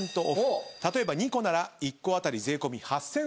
例えば２個なら１個当たり税込み８，３６０円です。